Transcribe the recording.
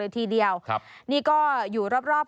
ทีเดียวนี่ก็อยู่รอบ